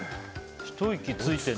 ひと息ついてるな。